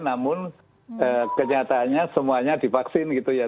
namun kenyataannya semuanya divaksin gitu ya